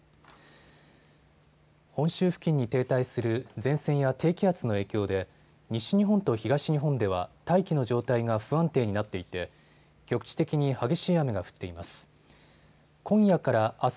本州付近に停滞する前線や低気圧の影響で西日本と東日本では大気の状態が不安定になっていて局地的に激しい雨が降っています。